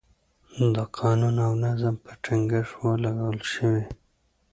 د قانون او نظم پر ټینګښت ولګول شوې.